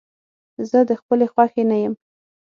زه د خپلې خوښې نه يم.